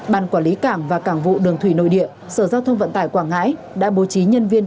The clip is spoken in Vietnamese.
ban quản lý cảng và cảng vụ đường thủy nội địa sở giao thông vận tải quảng ngãi đã bố trí nhân viên